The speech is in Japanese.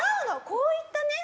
こういったね。